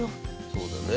そうだね。